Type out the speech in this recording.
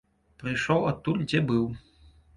Прыйшоў адтуль, дзе быў.